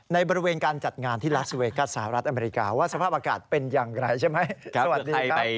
ในบริเวณการจัดงานที่ลาสเวกัสสหรัฐอเมริกาว่าสภาพอากาศเป็นอย่างไรใช่ไหม